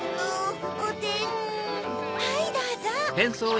はいどうぞ。